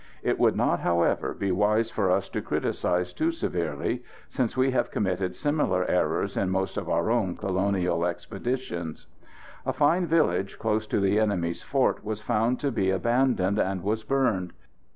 It would not, however, be wise for us to criticise too severely, since we have committed similar errors in most of our own colonial expeditions. A fine village close to the enemy's fort, was found to be abandoned, and was burned.